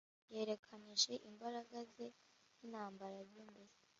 yerekanishije imbaraga ze n intambara ze mbese